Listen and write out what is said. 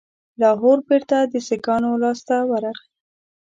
لاهور بیرته د سیکهانو لاسته ورغی.